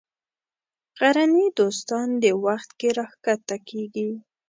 غرني دوستان دې وخت کې راکښته کېږي.